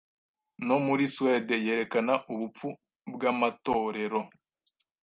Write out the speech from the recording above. no muri Suwede yerekana ubupfu bwamatorero